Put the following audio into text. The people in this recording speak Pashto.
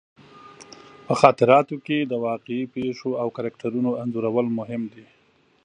په خاطراتو کې د واقعي پېښو او کرکټرونو انځورول مهم دي.